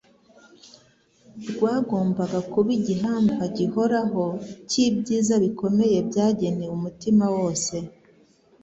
rwagombaga kuba igihamva gihoraho cy'ibyiza bikomeye byagenewe umutima wose.